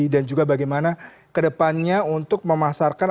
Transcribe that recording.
juga bagaimana kedepannya untuk memasarkan